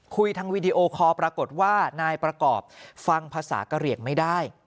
คุยทางวีดีโอคอลปรากฏว่านายประกอบฟังภาษากะเหลี่ยงไม่ได้